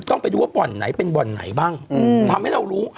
ต้องไปดูว่าบ่อนไหนเป็นบ่อนไหนบ้างทำให้เรารู้